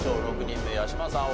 ６人目八嶋さん